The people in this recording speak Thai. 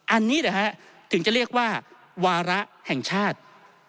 อันนี้นะฮะถึงจะเรียกว่าวาระแห่งชาติ